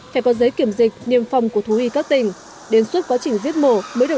phải có giấy kiểm dịch niêm phòng của thú y các tỉnh đến suốt quá trình giết mổ mới được